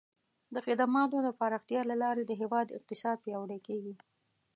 د خدماتو د پراختیا له لارې د هیواد اقتصاد پیاوړی کیږي.